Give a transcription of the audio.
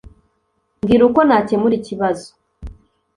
Mbwira uko nakemura ikibazo